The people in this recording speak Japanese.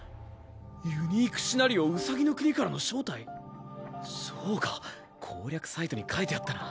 「ユニークシナリオ兎の国からの招待そうか攻略サイトに書いてあったな。